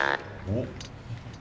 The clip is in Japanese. おっ。